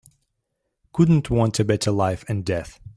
Couldn't want a better life and death.